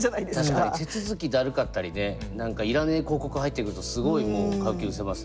確かに手続きだるかったりね何かいらねえ広告入ってくるとすごいもう買う気うせますね。